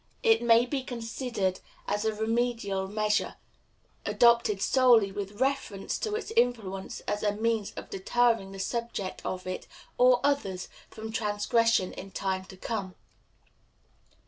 It may be considered as a remedial measure, adopted solely with reference to its influence as a means of deterring the subject of it, or others, from transgression in time to come.